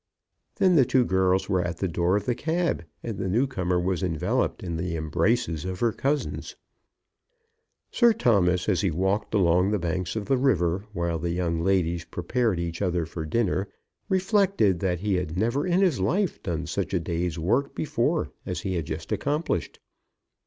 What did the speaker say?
Then the two girls were at the door of the cab, and the newcomer was enveloped in the embraces of her cousins. Sir Thomas, as he walked along the banks of the river while the young ladies prepared each other for dinner, reflected that he had never in his life done such a day's work before as he had just accomplished.